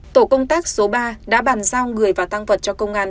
tổ công tác số ba đã bàn giao người và tăng vật cho công an